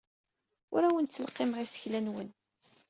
Ur awen-ttleqqimeɣ isekla-nwen.